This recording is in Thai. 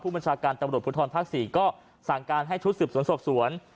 บัญชาการตำรวจภูทรภาค๔ก็สั่งการให้ชุดสืบสวนสอบสวน